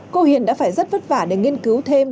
cô hiền đã phải rất vất vả để nghiên cứu thêm